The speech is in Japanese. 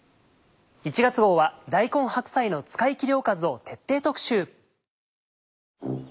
１月号は「大根・白菜の使いきりおかず」を徹底特集。